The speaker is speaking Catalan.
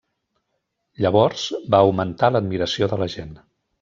Llavors va augmentar l'admiració de la gent.